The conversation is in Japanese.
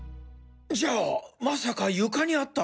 じゃあまさか床にあった